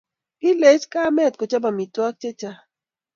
Kilech kamet ko chop amitwogik che chang